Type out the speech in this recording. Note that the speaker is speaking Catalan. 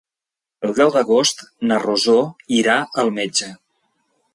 El deu d'agost na Rosó irà al metge.